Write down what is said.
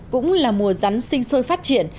cũng là mùa rắn sinh sôi phát triển